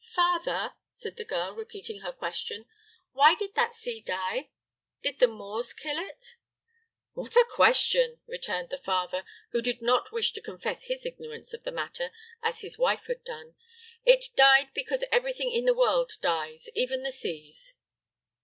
"Father," said the girl, repeating her question: "why did that sea die? Did the Moors kill it?" "What a question!" returned the father, who did not wish to confess his ignorance of the matter, as his wife had done: "it died because everything in the world dies, even the seas."